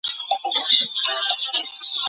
这标志着政教合一的帕竹政权初步形成。